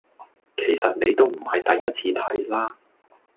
其實你都唔係第一次睇啦